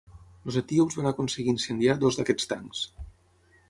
Els etíops van aconseguir incendiar dos d'aquests tancs.